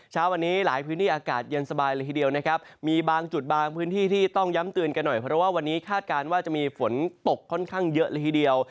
เช้าวันนี้หลายพื้นที่อากาศเย็นสบายเลยทีเดียวนะครับมีบางจุดบางพื้นที่ที่ต้องย้ำเตือนกันหน่อยเพราะว่าวันนี้คาดการณ์ว่าจะมีฝนตกค่อนข้างเยอะละทีเดียว